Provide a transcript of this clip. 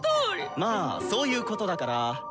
まあそういうことだから。